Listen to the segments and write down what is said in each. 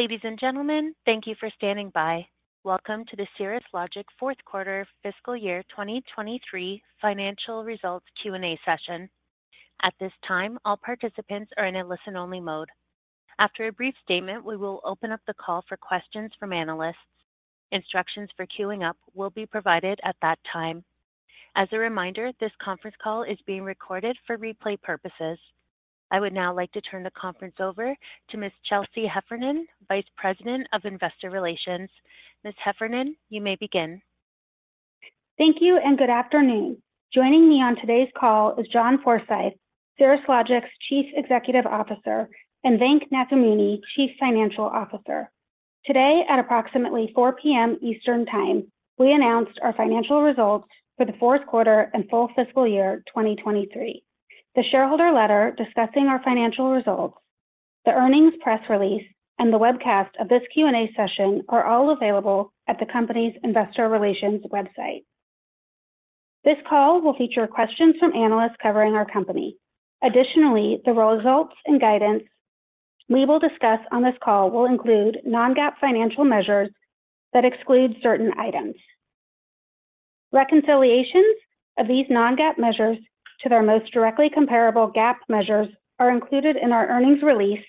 Ladies and gentlemen, thank you for standing by. Welcome to the Cirrus Logic Fourth Quarter Fiscal Year 2023 Financial Results Q&A session. At this time, all participants are in a listen-only mode. After a brief statement, we will open up the call for questions from analysts. Instructions for queuing up will be provided at that time. As a reminder, this conference call is being recorded for replay purposes. I would now like to turn the conference over to Ms. Chelsea Heffernan, Vice President of Investor Relations. Ms. Heffernan, you may begin. Thank you. Good afternoon. Joining me on today's call is John Forsyth, Cirrus Logic's Chief Executive Officer, and Venk Nathamuni, Chief Financial Officer. Today at approximately 4:00 P.M. Eastern Time, we announced our financial results for the fourth quarter and full fiscal year 2023. The shareholder letter discussing our financial results, the earnings press release, and the webcast of this Q&A session are all available at the company's investor relations website. This call will feature questions from analysts covering our company. Additionally, the results and guidance we will discuss on this call will include non-GAAP financial measures that exclude certain items. Reconciliations of these non-GAAP measures to their most directly comparable GAAP measures are included in our earnings release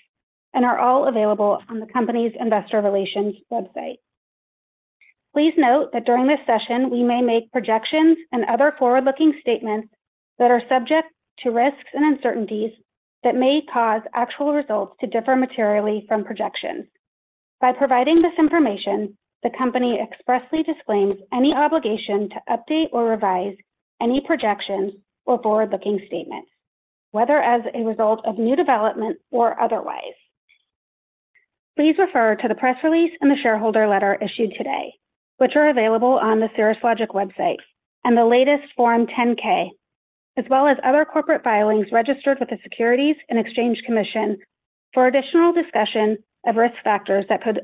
and are all available on the company's investor relations website. Please note that during this session, we may make projections and other forward-looking statements that are subject to risks and uncertainties that may cause actual results to differ materially from projections. By providing this information, the company expressly disclaims any obligation to update or revise any projections or forward-looking statements, whether as a result of new development or otherwise. Please refer to the press release and the shareholder letter issued today, which are available on the Cirrus Logic website and the latest Form 10-K, as well as other corporate filings registered with the Securities and Exchange Commission for additional discussion of risk factors that could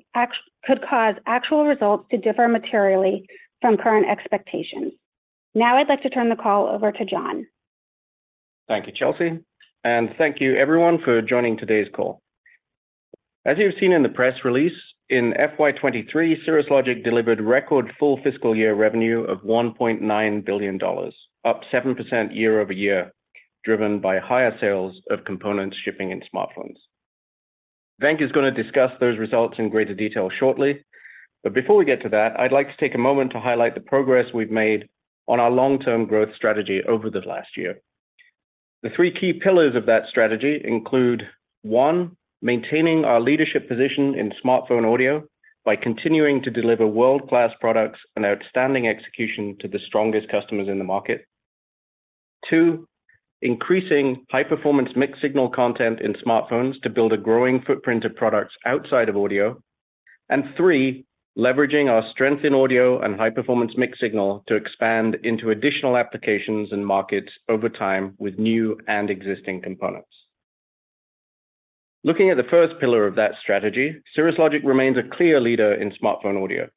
cause actual results to differ materially from current expectations. I'd like to turn the call over to John. Thank you, Chelsea. Thank you everyone for joining today's call. As you've seen in the press release, in FY 2023, Cirrus Logic delivered record full fiscal year revenue of $1.9 billion, up 7% year-over-year, driven by higher sales of components shipping in smartphones. Venk is gonna discuss those results in greater detail shortly. Before we get to that, I'd like to take a moment to highlight the progress we've made on our long-term growth strategy over the last year. The three key pillars of that strategy include, one, maintaining our leadership position in smartphone audio by continuing to deliver world-class products and outstanding execution to the strongest customers in the market. Two, increasing high-performance mixed signal content in smartphones to build a growing footprint of products outside of audio. Three, leveraging our strength in audio and high-performance mixed-signal to expand into additional applications and markets over time with new and existing components. Looking at the first pillar of that strategy, Cirrus Logic remains a clear leader in smartphone audio.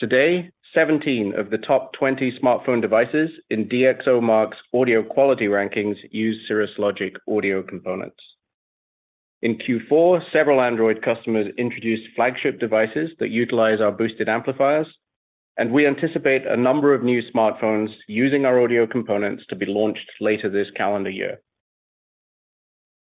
Today, 17 of the top 20 smartphone devices in DXOMARK's audio quality rankings use Cirrus Logic audio components. In Q4, several Android customers introduced flagship devices that utilize our boosted Amplifiers, and we anticipate a number of new smartphones using our audio components to be launched later this calendar year.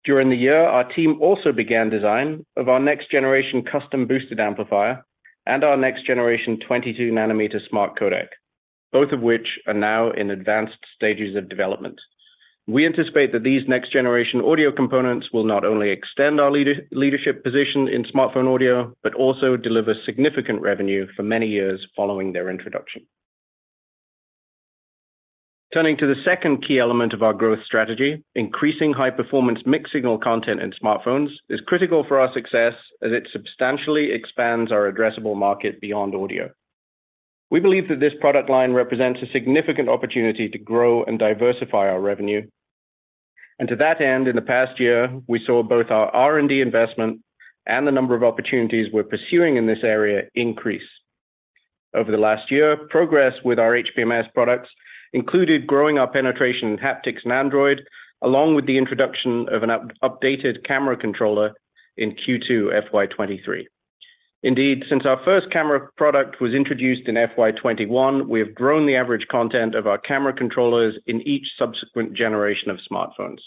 During the year, our team also began design of our next-generation custom boosted Amplifier and our next-generation 22-nm smart Codec, both of which are now in advanced stages of development. We anticipate that these next-generation audio components will not only extend our leadership position in smartphone audio, but also deliver significant revenue for many years following their introduction. Turning to the second key element of our growth strategy, increasing high-performance mixed-signal content in smartphones is critical for our success as it substantially expands our addressable market beyond audio. We believe that this product line represents a significant opportunity to grow and diversify our revenue. To that end, in the past year, we saw both our R&D investment and the number of opportunities we're pursuing in this area increase. Over the last year, progress with our HPMS products included growing our penetration in haptics and Android, along with the introduction of an updated camera controller in Q2 FY 2023. Indeed, since our first camera product was introduced in FY 2021, we have grown the average content of our Camera Controllers in each subsequent generation of smartphones.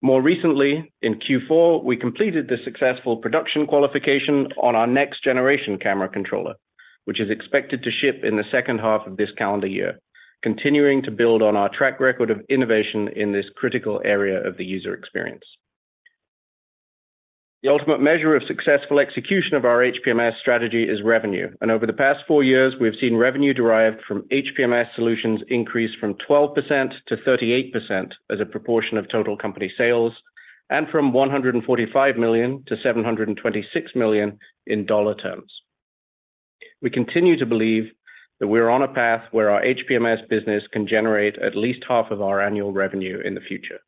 More recently, in Q4, we completed the successful production qualification on our next-generation Camera Controller, which is expected to ship in the second half of this calendar year, continuing to build on our track record of innovation in this critical area of the user experience. The ultimate measure of successful execution of our HPMS strategy is revenue, and over the past four years, we've seen revenue derived from HPMS solutions increase from 12% to 38% as a proportion of total company sales, and from $145 million to $726 million in dollar terms. We continue to believe that we're on a path where our HPMS business can generate at least half of our annual revenue in the future.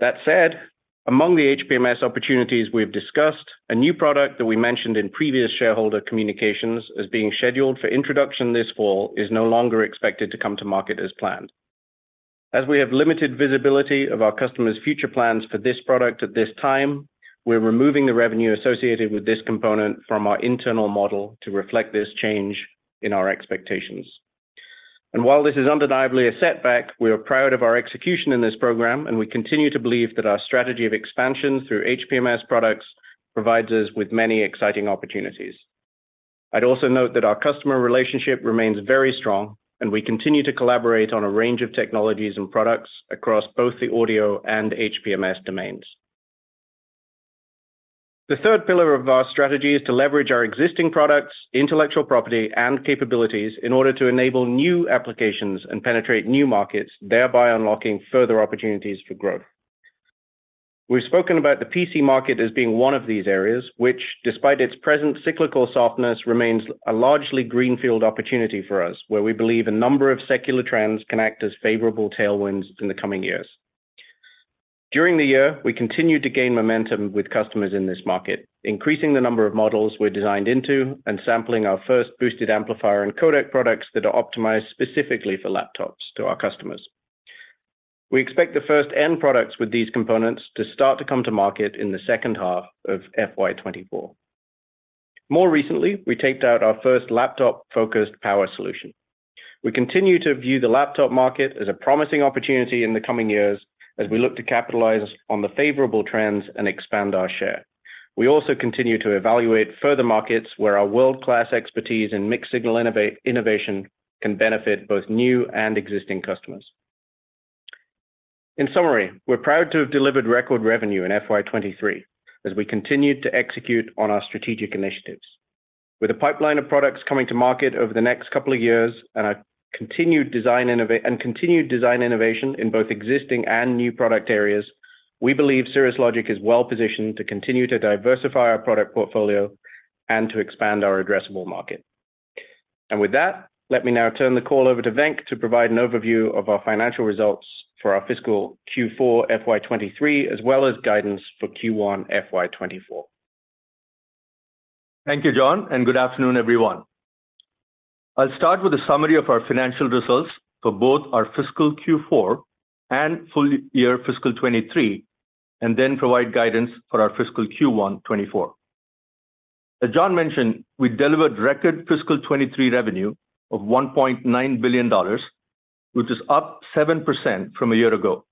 That said, among the HPMS opportunities we've discussed, a new product that we mentioned in previous shareholder communications as being scheduled for introduction this fall is no longer expected to come to market as planned. We have limited visibility of our customers' future plans for this product at this time, we're removing the revenue associated with this component from our internal model to reflect this change in our expectations. While this is undeniably a setback, we are proud of our execution in this program, and we continue to believe that our strategy of expansion through HPMS products provides us with many exciting opportunities. I'd also note that our customer relationship remains very strong, and we continue to collaborate on a range of technologies and products across both the audio and HPMS domains. The third pillar of our strategy is to leverage our existing products, intellectual property, and capabilities in order to enable new applications and penetrate new markets, thereby unlocking further opportunities for growth. We've spoken about the PC market as being one of these areas, which despite its present cyclical softness, remains a largely greenfield opportunity for us, where we believe a number of secular trends can act as favorable tailwinds in the coming years. During the year, we continued to gain momentum with customers in this market, increasing the number of models we're designed into and sampling our first boosted amplifier and codec products that are optimized specifically for laptops to our customers. We expect the first end products with these components to start to come to market in the second half of FY2024. More recently, we taped out our first laptop-focused power solution. We continue to view the laptop market as a promising opportunity in the coming years as we look to capitalize on the favorable trends and expand our share. We also continue to evaluate further markets where our world-class expertise in mixed signal innovation can benefit both new and existing customers. In summary, we're proud to have delivered record revenue in FY2023 as we continued to execute on our strategic initiatives. With a pipeline of products coming to market over the next couple of years, and a continued design innovation in both existing and new product areas, we believe Cirrus Logic is well positioned to continue to diversify our product portfolio and to expand our addressable market. With that, let me now turn the call over to Venk to provide an overview of our financial results for our fiscal Q4 FY 2023, as well as guidance for Q1 FY 2024. Thank you, John, and good afternoon, everyone. I'll start with a summary of our financial results for both our fiscal Q4 and full year fiscal 2023, and then provide guidance for our fiscal Q1 2024. As John mentioned, we delivered record fiscal 2023 revenue of $1.9 billion, which is up 7% from a year ago.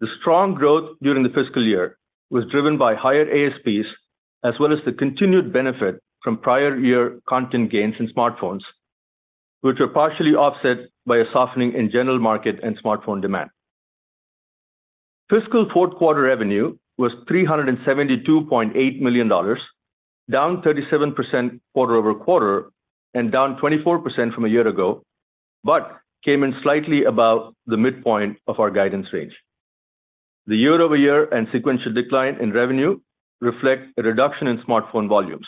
The strong growth during the fiscal year was driven by higher ASPs, as well as the continued benefit from prior year content gains in smartphones, which were partially offset by a softening in general market and smartphone demand. Fiscal fourth quarter revenue was $372.8 million, down 37% quarter-over-quarter and down 24% from a year ago, but came in slightly above the midpoint of our guidance range. The year-over-year and sequential decline in revenue reflect a reduction in smartphone volumes.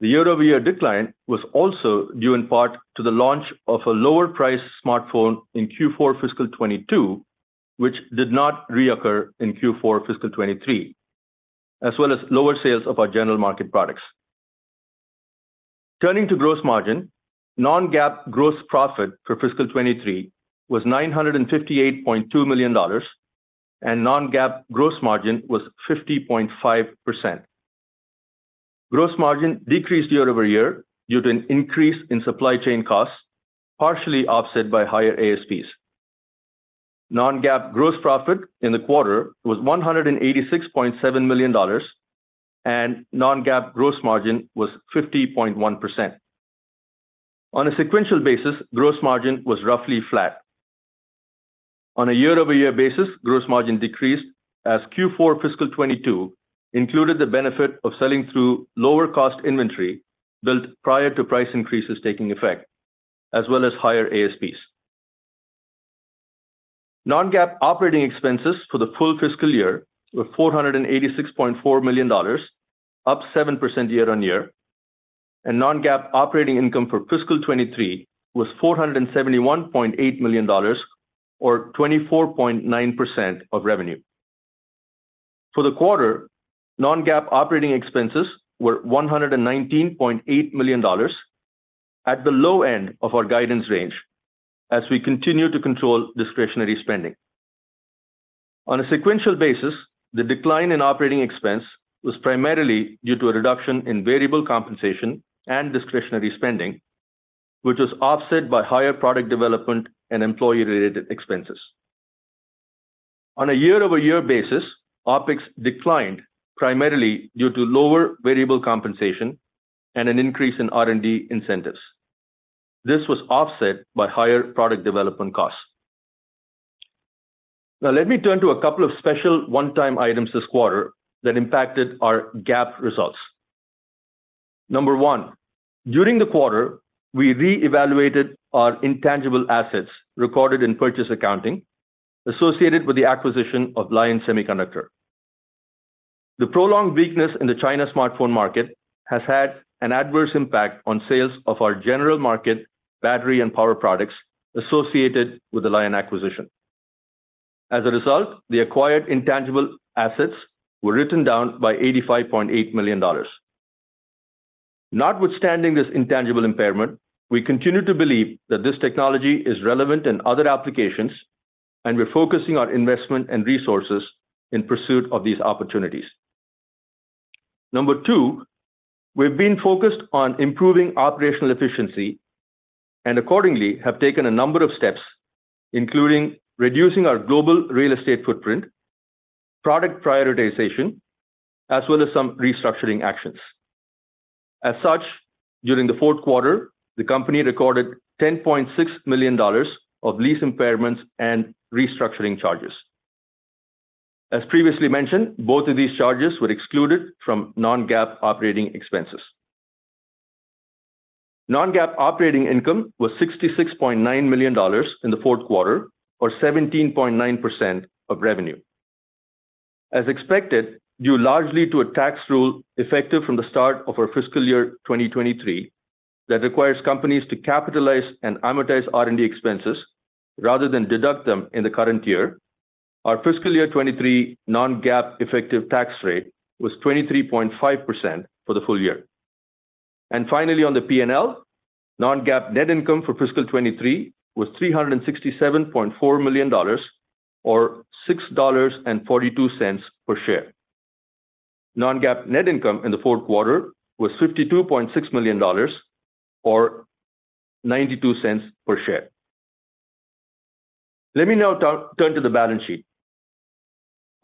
The year-over-year decline was also due in part to the launch of a lower priced smartphone in Q4 fiscal 2022, which did not reoccur in Q4 fiscal 2023, as well as lower sales of our general market products. Turning to gross margin, non-GAAP gross profit for fiscal 2023 was $958.2 million, and non-GAAP gross margin was 50.5%. Gross margin decreased year-over-year due to an increase in supply chain costs, partially offset by higher ASPs. Non-GAAP gross profit in the quarter was $186.7 million, and non-GAAP gross margin was 50.1%. On a sequential basis, gross margin was roughly flat. On a year-over-year basis, gross margin decreased as Q4 fiscal 2022 included the benefit of selling through lower cost inventory built prior to price increases taking effect, as well as higher ASPs. Non-GAAP operating expenses for the full fiscal year were $486.4 million, up 7% year-on-year, and non-GAAP operating income for fiscal 23 was $471.8 million or 24.9% of revenue. For the quarter, non-GAAP operating expenses were $119.8 million at the low end of our guidance range as we continue to control discretionary spending. On a sequential basis, the decline in operating expense was primarily due to a reduction in variable compensation and discretionary spending, which was offset by higher product development and employee-related expenses. On a year-over-year basis, OpEx declined, primarily due to lower variable compensation and an increase in R&D incentives. This was offset by higher product development costs. Now let me turn to a couple of special one-time items this quarter that impacted our GAAP results. Number one, during the quarter, we reevaluated our intangible assets recorded in purchase accounting associated with the acquisition of Lion Semiconductor. The prolonged weakness in the China smartphone market has had an adverse impact on sales of our general market battery and power products associated with the Lion acquisition. As a result, the acquired intangible assets were written down by $85.8 million. Notwithstanding this intangible impairment, we continue to believe that this technology is relevant in other applications, and we're focusing our investment and resources in pursuit of these opportunities. Number two, we've been focused on improving operational efficiency and accordingly have taken a number of steps, including reducing our global real estate footprint, product prioritization, as well as some restructuring actions. As such, during the fourth quarter, the company recorded $10.6 million of lease impairments and restructuring charges. As previously mentioned, both of these charges were excluded from non-GAAP operating expenses. Non-GAAP operating income was $66.9 million in the fourth quarter, or 17.9% of revenue. As expected, due largely to a tax rule effective from the start of our fiscal year 2023 that requires companies to capitalize and amortize R&D expenses rather than deduct them in the current year, our fiscal year 2023 non-GAAP effective tax rate was 23.5% for the full year. Finally, on the P&L, non-GAAP net income for fiscal 2023 was $367.4 million or $6.42 per share. Non-GAAP net income in the fourth quarter was $52.6 million or $0.92 per share. Let me now turn to the balance sheet.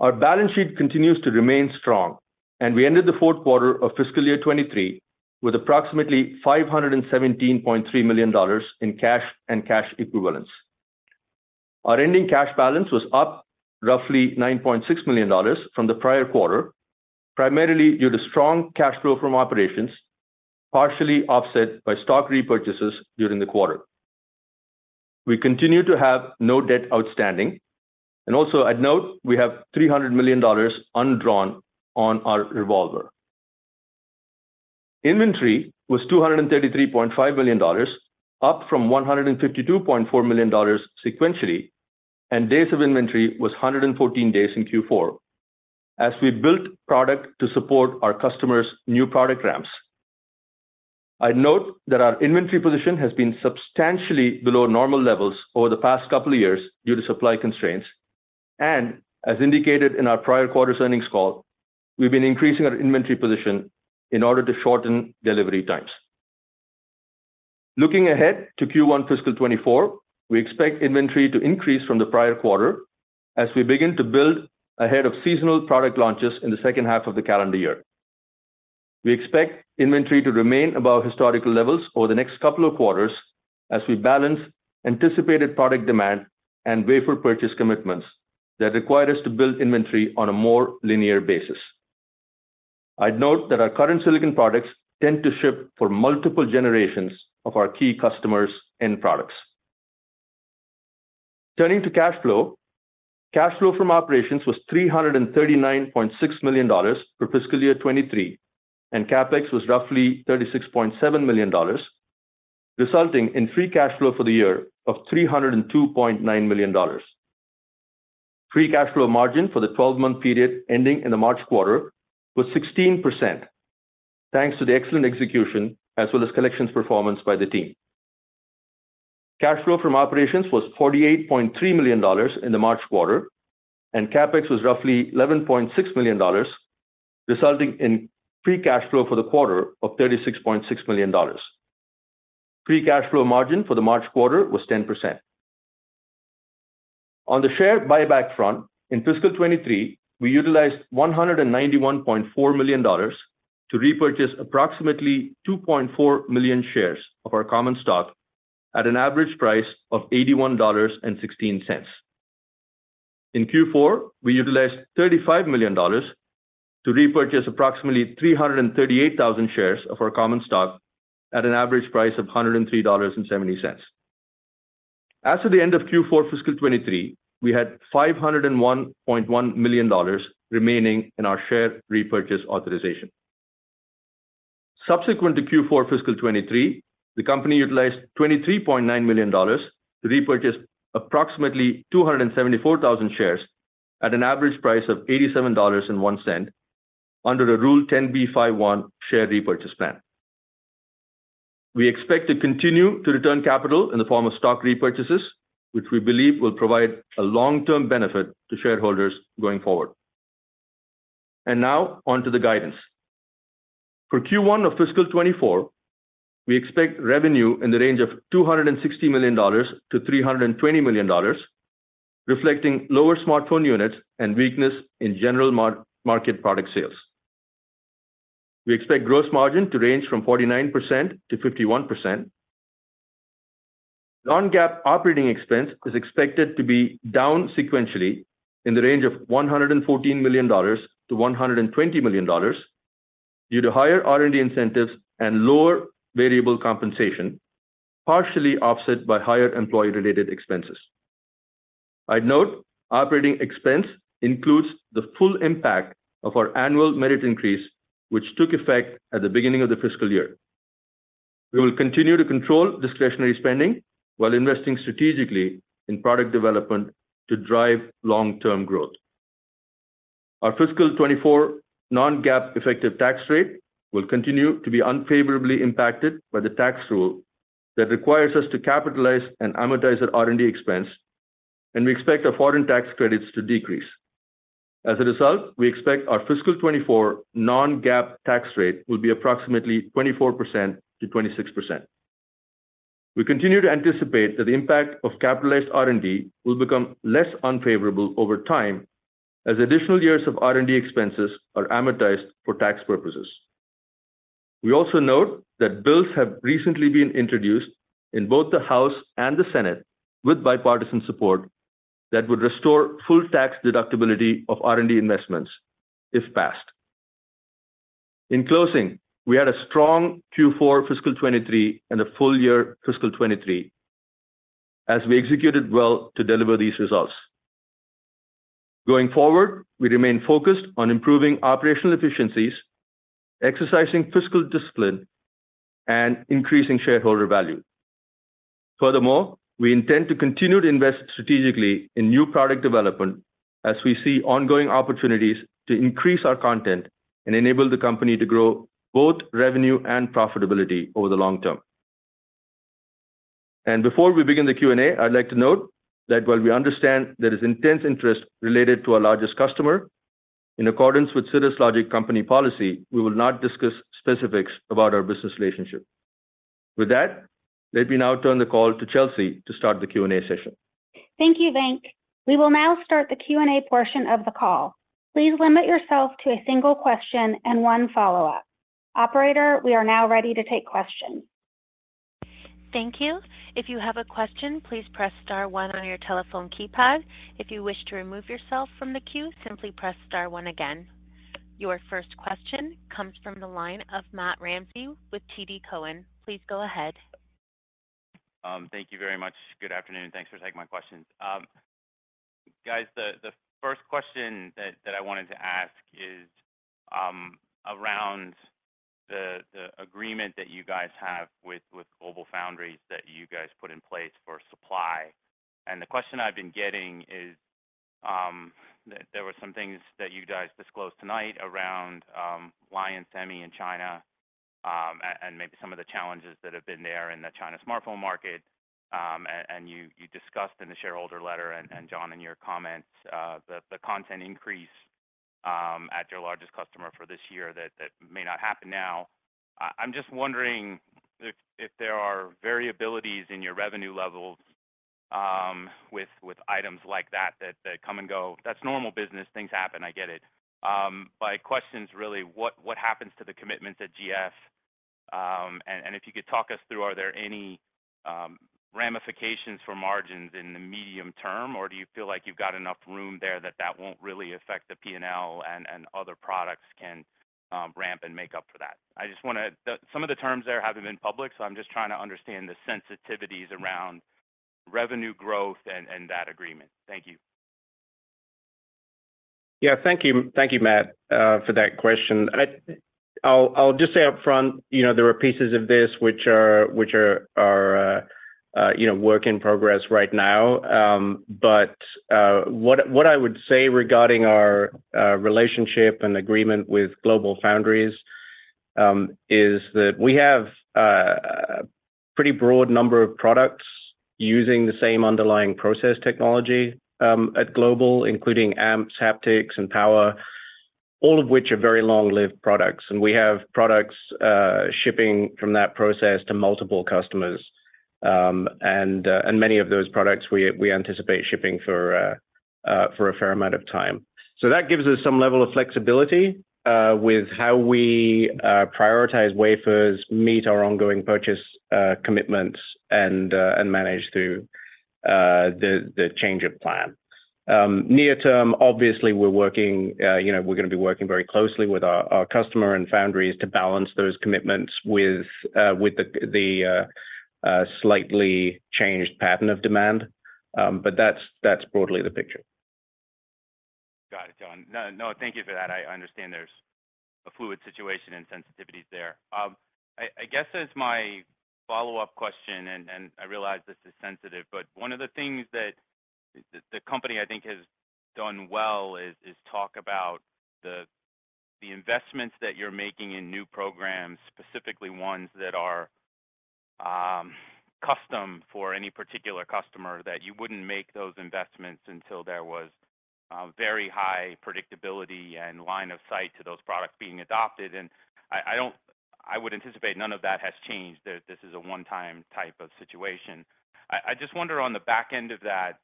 Our balance sheet continues to remain strong, and we ended the fourth quarter of fiscal year 2023 with approximately $517.3 million in cash and cash equivalents. Our ending cash balance was up roughly $9.6 million from the prior quarter, primarily due to strong cash flow from operations, partially offset by stock repurchases during the quarter. We continue to have no debt outstanding, and also I'd note we have $300 million undrawn on our revolver. Inventory was $233.5 million, up from $152.4 million sequentially, and days of inventory was 114 days in Q4 as we built product to support our customers' new product ramps. I'd note that our inventory position has been substantially below normal levels over the past couple of years due to supply constraints. As indicated in our prior quarter's earnings call, we've been increasing our inventory position in order to shorten delivery times. Looking ahead to Q1 fiscal 2024, we expect inventory to increase from the prior quarter as we begin to build ahead of seasonal product launches in the second half of the calendar year. We expect inventory to remain above historical levels over the next couple of quarters as we balance anticipated product demand and wafer purchase commitments that require us to build inventory on a more linear basis. I'd note that our current silicon products tend to ship for multiple generations of our key customers' end products. Turning to cash flow. Cash flow from operations was $339.6 million for fiscal year 2023, and CapEx was roughly $36.7 million, resulting in free cash flow for the year of $302.9 million. Free cash flow margin for the twelve-month period ending in the March quarter was 16% thanks to the excellent execution as well as collections performance by the team. Cash flow from operations was $48.3 million in the March quarter, and CapEx was roughly $11.6 million, resulting in free cash flow for the quarter of $36.6 million. Free cash flow margin for the March quarter was 10%. On the share buyback front, in fiscal 2023, we utilized $191.4 million to repurchase approximately 2.4 million shares of our common stock at an average price of $81.16. In Q4, we utilized $35 million to repurchase approximately 338,000 shares of our common stock at an average price of $103.70. As of the end of Q4 fiscal 2023, we had $501.1 million remaining in our share repurchase authorization. Subsequent to Q4 fiscal 2023, the company utilized $23.9 million to repurchase approximately 274,000 shares at an average price of $87.01 under the Rule 10b5-1 share repurchase plan. We expect to continue to return capital in the form of stock repurchases, which we believe will provide a long-term benefit to shareholders going forward. Now on to the guidance. For Q1 of fiscal 2024, we expect revenue in the range of $260 million-$320 million, reflecting lower smartphone units and weakness in general market product sales. We expect gross margin to range from 49%-51%. non-GAAP operating expense is expected to be down sequentially in the range of $114 million-$120 million due to higher R&D incentives and lower variable compensation, partially offset by higher employee-related expenses. I'd note operating expense includes the full impact of our annual merit increase, which took effect at the beginning of the fiscal year. We will continue to control discretionary spending while investing strategically in product development to drive long-term growth. Our fiscal 2024 non-GAAP effective tax rate will continue to be unfavorably impacted by the tax rule that requires us to capitalize and amortize our R&D expense, and we expect our foreign tax credits to decrease. As a result, we expect our fiscal 2024 non-GAAP tax rate will be approximately 24%-26%. We continue to anticipate that the impact of capitalized R&D will become less unfavorable over time as additional years of R&D expenses are amortized for tax purposes. We also note that bills have recently been introduced in both the House and the Senate with bipartisan support that would restore full tax deductibility of R&D investments if passed. In closing, we had a strong Q4 fiscal 2023 and a full year fiscal 2023 as we executed well to deliver these results. Going forward, we remain focused on improving operational efficiencies, exercising fiscal discipline, and increasing shareholder value. Furthermore, we intend to continue to invest strategically in new product development as we see ongoing opportunities to increase our content and enable the company to grow both revenue and profitability over the long term. Before we begin the Q&A, I'd like to note that while we understand there is intense interest related to our largest customer, in accordance with Cirrus Logic company policy, we will not discuss specifics about our business relationship. With that, let me now turn the call to Chelsea to start the Q&A session. Thank you, Venk. We will now start the Q&A portion of the call. Please limit yourself to a single question and one follow-up. Operator, we are now ready to take questions. Thank you. If you have a question, please press star one on your telephone keypad. If you wish to remove yourself from the queue, simply press star one again. Your first question comes from the line of Matthew Ramsay with TD Cowen. Please go ahead. Thank you very much. Good afternoon, and thanks for taking my questions. Guys, the first question that I wanted to ask is around the agreement that you guys have with GlobalFoundries that you guys put in place for supply. The question I've been getting is, there were some things that you guys disclosed tonight around Lion Semi in China, and maybe some of the challenges that have been there in the China smartphone market. You discussed in the shareholder letter and John, in your comments, the content increase at your largest customer for this year that may not happen now. I'm just wondering if there are variabilities in your revenue levels, with items like that that come and go. That's normal business. Things happen. I get it. My question's really what happens to the commitments at GF? If you could talk us through, are there any ramifications for margins in the medium term, or do you feel like you've got enough room there that that won't really affect the P&L and other products can ramp and make up for that? Some of the terms there haven't been public, so I'm just trying to understand the sensitivities around revenue growth and that agreement. Thank you. Yeah. Thank you. Thank you, Matt, for that question. I'll just say up front, you know, there are pieces of this which are, which are, you know, work in progress right now. What I would say regarding our relationship and agreement with GlobalFoundries, is that we have a pretty broad number of products using the same underlying process technology, at Global, including amps, haptics, and power, all of which are very long-lived products. We have products shipping from that process to multiple customers. Many of those products we anticipate shipping for a fair amount of time. That gives us some level of flexibility, with how we prioritize wafers, meet our ongoing purchase commitments, and manage through the change of plan. Near term, obviously we're working, you know, we're gonna be working very closely with our customer and foundries to balance those commitments with the slightly changed pattern of demand. That's broadly the picture. Got it, John. No, thank you for that. I understand there's a fluid situation and sensitivities there. I guess as my follow-up question, and I realize this is sensitive, but one of the things that the company I think has done well is talk about the investments that you're making in new programs, specifically ones that are custom for any particular customer, that you wouldn't make those investments until there was very high predictability and line of sight to those products being adopted. I would anticipate none of that has changed, that this is a one-time type of situation. I just wonder on the back end of that,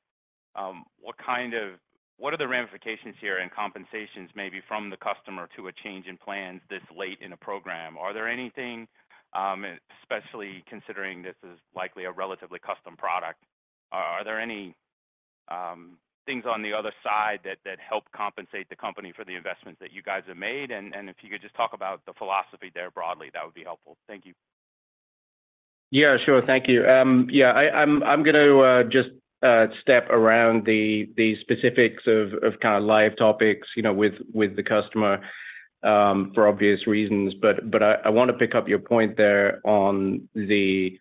what are the ramifications here and compensations maybe from the customer to a change in plans this late in a program? Are there anything, especially considering this is likely a relatively custom product, are there any things on the other side that help compensate the company for the investments that you guys have made? If you could just talk about the philosophy there broadly, that would be helpful. Thank you. Yeah, sure. Thank you. Yeah, I'm gonna just step around the specifics of kind of live topics, you know, with the customer. For obvious reasons. I wanna pick up your point there on the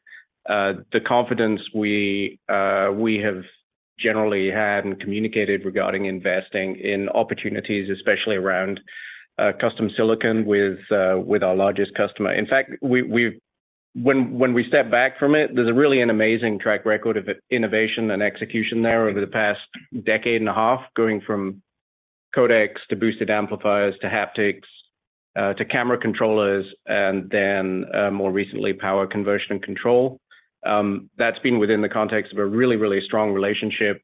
confidence we have generally had and communicated regarding investing in opportunities, especially around custom silicon with our largest customer. In fact, when we step back from it, there's really an amazing track record of innovation and execution there over the past decade and a half, going from codecs to boosted amplifiers to haptics, to camera controllers, and then more recently, power conversion and control. That's been within the context of a really strong relationship.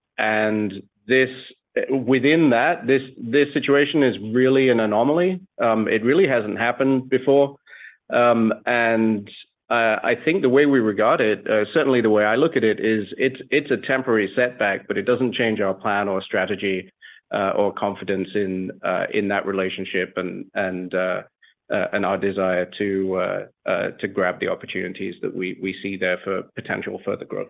This, within that, this situation is really an anomaly. It really hasn't happened before. I think the way we regard it, certainly the way I look at it, is it's a temporary setback, but it doesn't change our plan or strategy, or confidence in that relationship and our desire to grab the opportunities that we see there for potential further growth.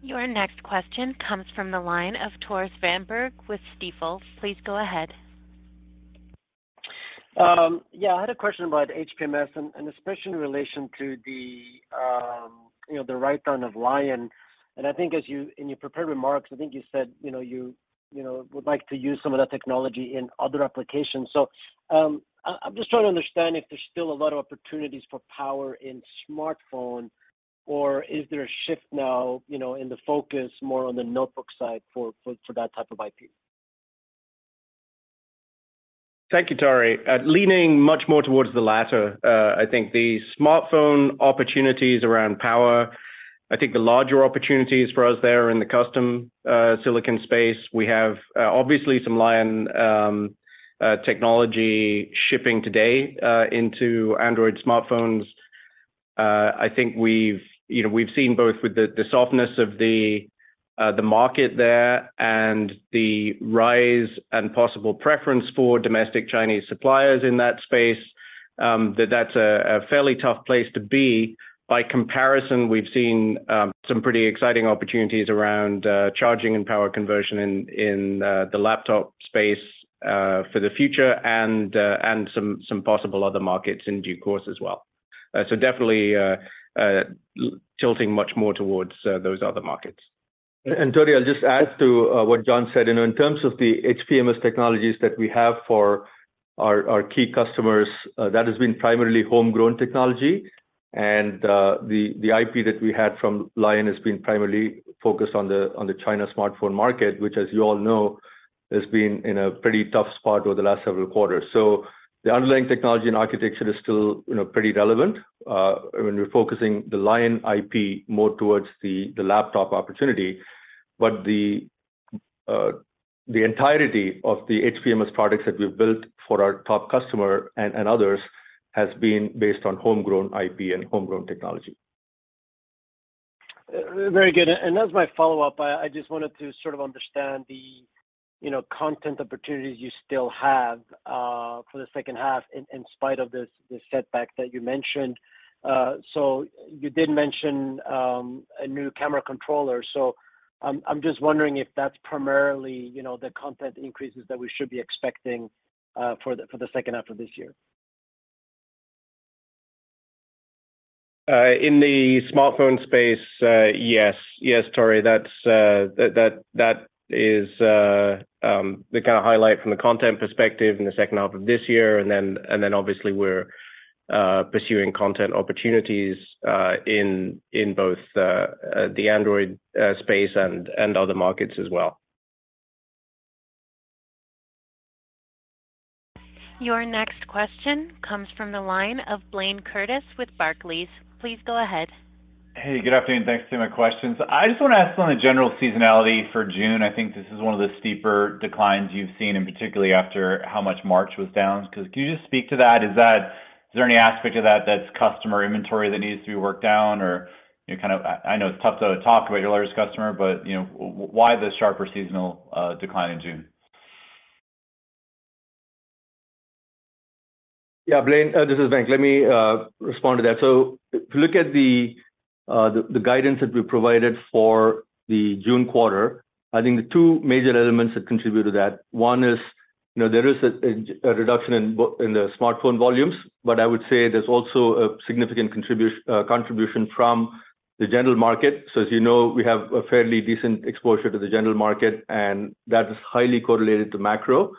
Your next question comes from the line of Tore Svanberg with Stifel. Please go ahead. Yeah, I had a question about HPMS and especially in relation to the, you know, the write-down of Lion. I think in your prepared remarks, I think you said, you know, you know, would like to use some of that technology in other applications. I'm just trying to understand if there's still a lot of opportunities for power in smartphone, or is there a shift now, you know, in the focus more on the notebook side for, for that type of IP? Thank you, Tore. Leaning much more towards the latter. I think the smartphone opportunities around power, I think the larger opportunities for us there are in the custom silicon space. We have obviously some Lion technology shipping today into Android smartphones. I think we've, you know, we've seen both with the softness of the market there and the rise and possible preference for domestic Chinese suppliers in that space, that that's a fairly tough place to be. By comparison, we've seen some pretty exciting opportunities around charging and power conversion in the laptop space for the future and some possible other markets in due course as well. Definitely tilting much more towards those other markets. Tore, I'll just add to what John said. You know, in terms of the HPMS technologies that we have for our key customers, that has been primarily homegrown technology. The IP that we had from Lion has been primarily focused on the China smartphone market, which as you all know, has been in a pretty tough spot over the last several quarters. The underlying technology and architecture is still, you know, pretty relevant, and we're focusing the Lion IP more towards the laptop opportunity. The entirety of the HPMS products that we've built for our top customer and others has been based on homegrown IP and homegrown technology. Very good. As my follow-up, I just wanted to sort of understand the, you know, content opportunities you still have for the second half in spite of this setback that you mentioned. You did mention a new camera controller. I'm just wondering if that's primarily, you know, the content increases that we should be expecting for the second half of this year. In the smartphone space, yes. Yes, Tore, that's that is the kinda highlight from the content perspective in the second half of this year. Obviously we're pursuing content opportunities in both the Android space and other markets as well. Your next question comes from the line of Blayne Curtis with Barclays. Please go ahead. Hey, good afternoon. Thanks. Two my questions. I just wanna ask on the general seasonality for June. I think this is one of the steeper declines you've seen, and particularly after how much March was down. Can you just speak to that? Is there any aspect of that that's customer inventory that needs to be worked down or, you know, kind of... I know it's tough to talk about your largest customer, but, you know, why the sharper seasonal decline in June? Yeah, Blayne, this is Venk. Let me respond to that. If you look at the guidance that we provided for the June quarter, I think the two major elements that contribute to that, one is, you know, there is a reduction in the smartphone volumes, but I would say there's also a significant contribution from the general market. As you know, we have a fairly decent exposure to the general market, and that is highly correlated to macro,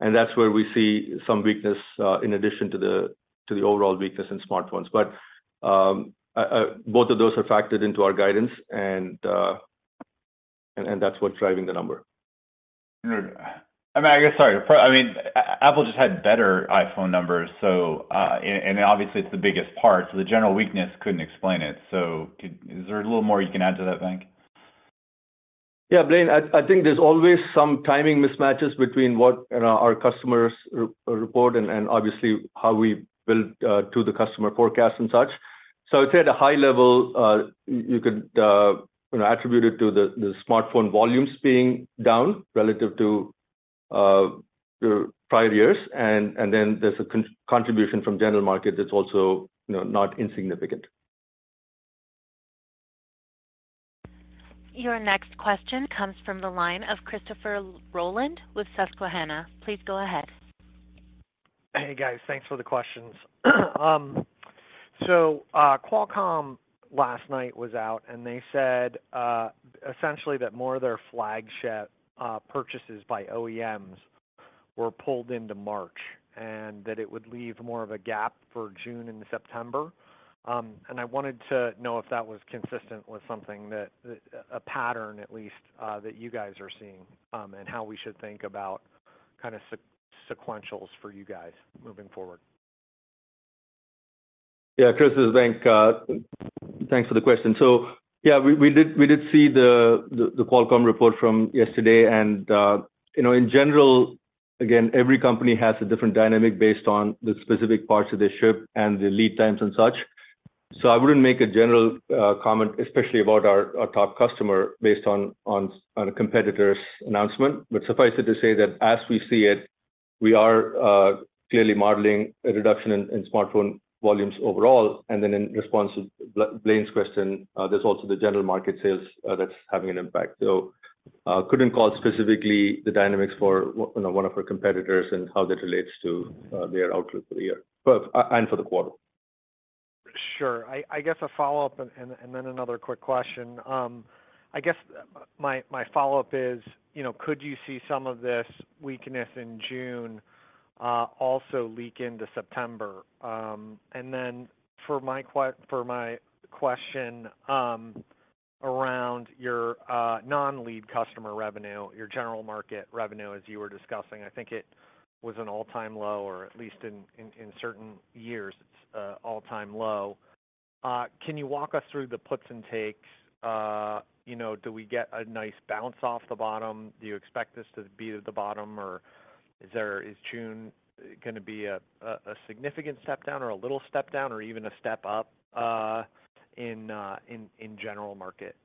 and that's where we see some weakness in addition to the overall weakness in smartphones. Both of those are factored into our guidance and that's what's driving the number. I mean, I guess, sorry. I mean, Apple just had better iPhone numbers, so, and obviously it's the biggest part, so the general weakness couldn't explain it. Is there a little more you can add to that, Venk? Yeah, Blayne, I think there's always some timing mismatches between what, you know, our customers re-report and obviously how we build to the customer forecast and such. I'd say at a high level, you could, you know, attribute it to the smartphone volumes being down relative to the prior years, and then there's a contribution from general market that's also, you know, not insignificant. Your next question comes from the line of Christopher Rolland with Susquehanna. Please go ahead. Hey, guys. Thanks for the questions. Qualcomm last night was out. They said essentially that more of their flagship purchases by OEMs were pulled into March. It would leave more of a gap for June into September. I wanted to know if that was consistent with something that, a pattern at least, that you guys are seeing. How we should think about kinda sequentials for you guys moving forward. Yeah. Chris, this is Venk. thanks for the question. Yeah, we did see the Qualcomm report from yesterday, and, you know, in general, again, every company has a different dynamic based on the specific parts of their ship and the lead times and such. I wouldn't make a general comment, especially about our top customer based on a competitor's announcement. Suffice it to say that as we see it, we are clearly modeling a reduction in smartphone volumes overall, and then in response to Blayne's question, there's also the general market sales that's having an impact. Couldn't call specifically the dynamics for one of our competitors and how that relates to their outlook for the year, but and for the quarter. Sure. I guess a follow-up and then another quick question. I guess my follow-up is, you know, could you see some of this weakness in June also leak into September? Then for my question, around your non-lead customer revenue, your general market revenue, as you were discussing, I think it was an all-time low, or at least in certain years it's all-time low. Can you walk us through the puts and takes? You know, do we get a nice bounce off the bottom? Do you expect this to be at the bottom, or is June gonna be a significant step down or a little step down or even a step up in general market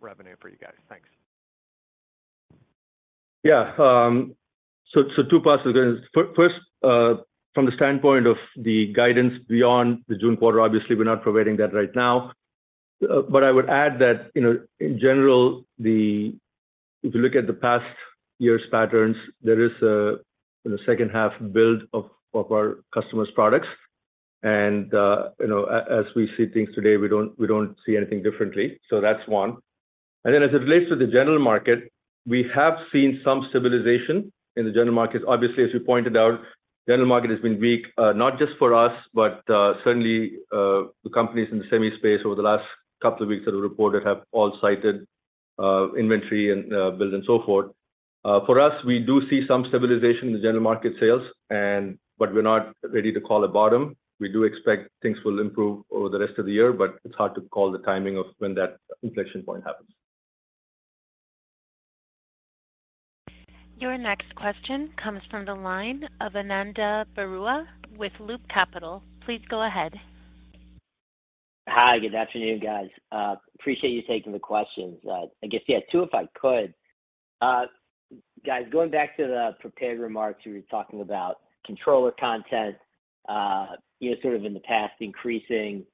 revenue for you guys? Thanks. So two parts to this. First, from the standpoint of the guidance beyond the June quarter, obviously we're not providing that right now. But I would add that, you know, in general, if you look at the past year's patterns, there is a, you know, second half build of our customers' products. And, you know, as we see things today, we don't see anything differently. That's one. As it relates to the general market, we have seen some stabilization in the general market. Obviously, as you pointed out, general market has been weak, not just for us, but, certainly, the companies in the semi space over the last couple of weeks that have reported have all cited, inventory and build and so forth. For us, we do see some stabilization in the general market sales, but we're not ready to call a bottom. We do expect things will improve over the rest of the year, but it's hard to call the timing of when that inflection point happens. Your next question comes from the line of Ananda Baruah with Loop Capital. Please go ahead. Hi. Good afternoon, guys. Appreciate you taking the questions. I guess, yeah, two, if I could. Guys, going back to the prepared remarks, you were talking about controller content, you know, sort of in the past increasing,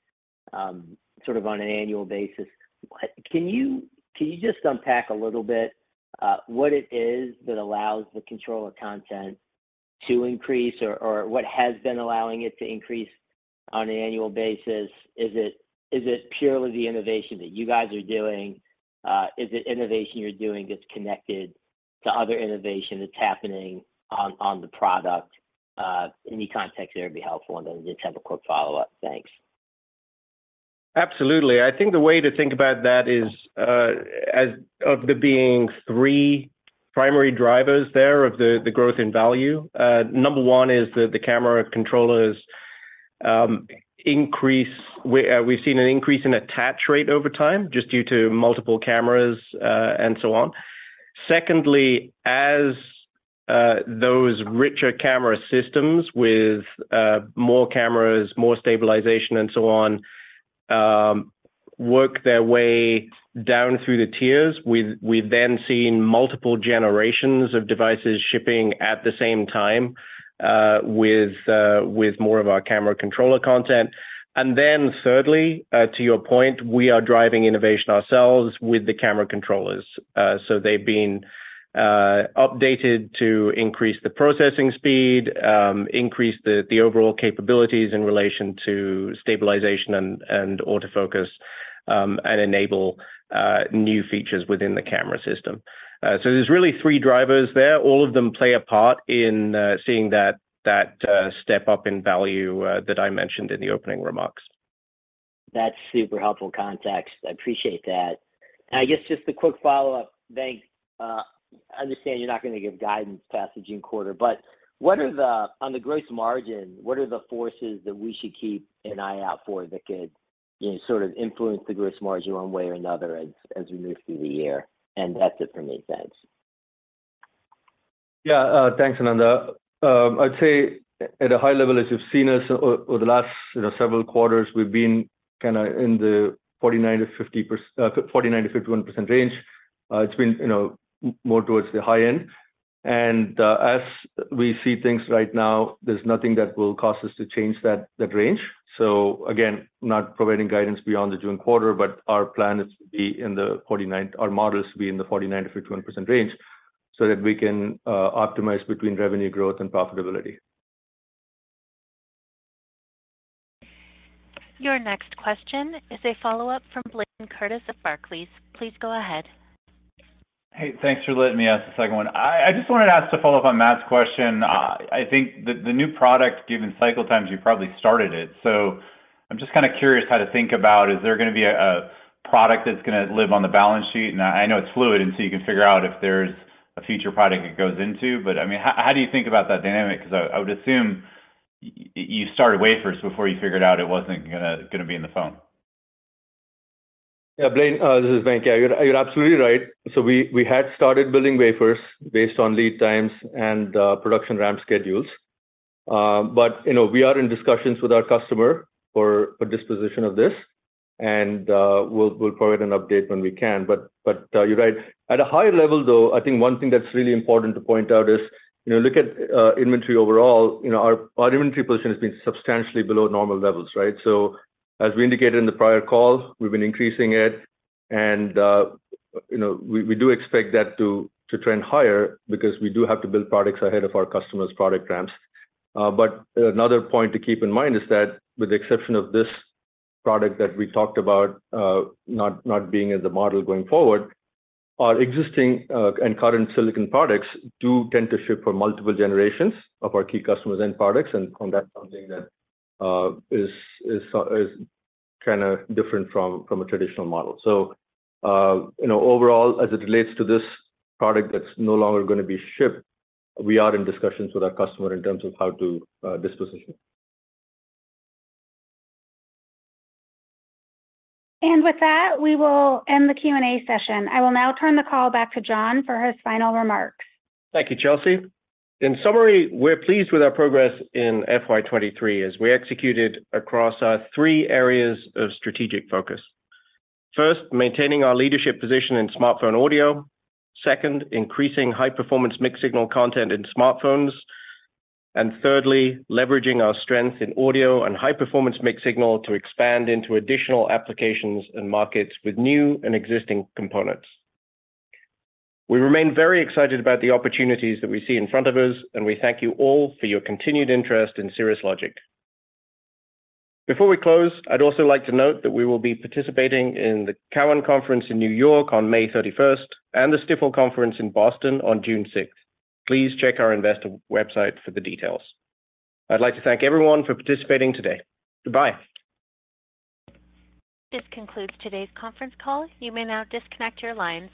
sort of on an annual basis. What can you just unpack a little bit, what it is that allows the controller content to increase or what has been allowing it to increase on an annual basis? Is it purely the innovation that you guys are doing? Is it innovation you're doing that's connected to other innovation that's happening on the product? Any context there would be helpful. I did have a quick follow-up. Thanks. Absolutely. I think the way to think about that is, as of there being three primary drivers there of the growth in value. One is the camera controllers, we've seen an increase in attach rate over time, just due to multiple cameras, and so on. Secondly, as those richer camera systems with more cameras, more stabilization, and so on, work their way down through the tiers, we've then seen multiple generations of devices shipping at the same time, with more of our camera controller content. Thirdly, to your point, we are driving innovation ourselves with the camera controllers. They've been updated to increase the processing speed, increase the overall capabilities in relation to stabilization and autofocus, and enable new features within the camera system. There's really three drivers there. All of them play a part in seeing that step up in value that I mentioned in the opening remarks. That's super helpful context. I appreciate that. I guess just a quick follow-up. Venk, I understand you're not gonna give guidance past the June quarter, but on the gross margin, what are the forces that we should keep an eye out for that could, you know, sort of influence the gross margin one way or another as we move through the year? That's it for me. Thanks. Yeah. Thanks, Ananda. I'd say at a high level, as you've seen us over the last, you know, several quarters, we've been kinda in the 49%-51% range. It's been, you know, more towards the high end. As we see things right now, there's nothing that will cause us to change that range. Again, not providing guidance beyond the June quarter, but our plan is to be in the 49%-51% range so that we can optimize between revenue growth and profitability. Your next question is a follow-up from Blayne Curtis of Barclays. Please go ahead. Hey, thanks for letting me ask the second one. I just wanted to ask to follow up on Matt's question. I think the new product, given cycle times, you've probably started it. I'm just kinda curious how to think about is there gonna be a product that's gonna live on the balance sheet? I know it's fluid until you can figure out if there's a future product it goes into, but, I mean, how do you think about that dynamic? 'Cause I would assume you started wafers before you figured out it wasn't gonna be in the phone. Blayne, this is Venk. You're absolutely right. We had started building wafers based on lead times and production ramp schedules. You know, we are in discussions with our customer for a disposition of this, and we'll provide an update when we can. You're right. At a high level though, I think one thing that's really important to point out is, you know, look at inventory overall. You know, our inventory position has been substantially below normal levels, right? As we indicated in the prior call, we've been increasing it and, you know, we do expect that to trend higher because we do have to build products ahead of our customers' product ramps. Another point to keep in mind is that with the exception of this product that we talked about, not being in the model going forward, our existing, and current silicon products do tend to ship for multiple generations of our key customers' end products and combat something that is so kinda different from a traditional model. You know, overall as it relates to this product that's no longer gonna be shipped, we are in discussions with our customer in terms of how to, disposition. With that, we will end the Q&A session. I will now turn the call back to John for his final remarks. Thank you, Chelsea. In summary, we're pleased with our progress in FY 2023 as we executed across our three areas of strategic focus. First, maintaining our leadership position in smartphone audio. Second, increasing high-performance mixed signal content in smartphones. Thirdly, leveraging our strength in audio and high-performance mixed signal to expand into additional applications and markets with new and existing components. We remain very excited about the opportunities that we see in front of us, and we thank you all for your continued interest in Cirrus Logic. Before we close, I'd also like to note that we will be participating in the Cowen conference in New York on May 31st and the Stifel conference in Boston on June 6th. Please check our investor website for the details. I'd like to thank everyone for participating today. Goodbye. This concludes today's conference call. You may now disconnect your lines.